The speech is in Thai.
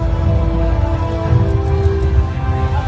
สโลแมคริปราบาล